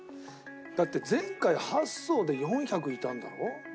だって前回８層で４００いたんだろ？